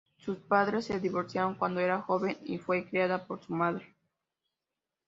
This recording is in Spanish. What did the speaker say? Sus padres se divorciaron cuando era joven y fue criada por su madre.